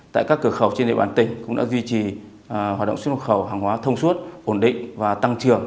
tại các cửa khẩu trên địa bàn tỉnh cũng đã duy trì hoạt động xuất khẩu hàng hóa thông suốt ổn định và tăng trưởng